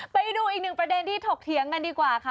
ไปดูอีกหนึ่งประเด็นที่ถกเถียงกันดีกว่าค่ะ